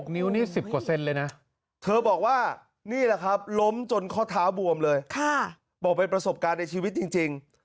นิ้วนี่๑๐กว่าเซนเลยนะเธอบอกว่านี่แหละครับล้มจนข้อเท้าบวมเลยบอกเป็นประสบการณ์ในชีวิตจริง